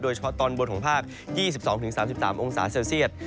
เฉพาะตอนบนของภาค๒๒๓๓องศาเซลเซียต